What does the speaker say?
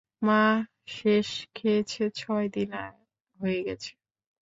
মা শেষ খেয়েছে ছয় দিন হয়ে গেছে।